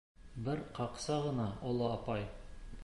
Бер ҡаҡса ғына оло апай: